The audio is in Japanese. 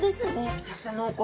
めちゃくちゃ濃厚！